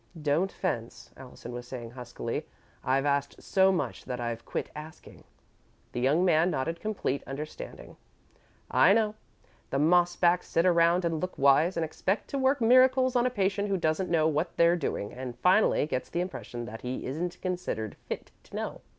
"Don't fence," Allison was saying, huskily. "I've asked so much that I've quit asking." The young man nodded complete understanding. "I know. The moss backs sit around and look wise, and expect to work miracles on a patient who doesn't know what they're doing and finally gets the impression that he isn't considered fit to know.